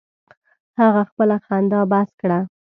هغه خپله خندا بس کړه.